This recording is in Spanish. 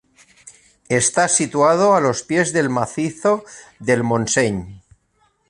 Está situado a los pies del macizo del Montseny.